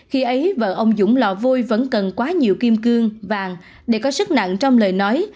khi ấy vợ ông dũng lò vôi vẫn cần quá nhiều kim cương vàng để có sức nặng trong lời nói